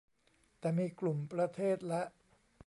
แต่มีกลุ่มประเทศและ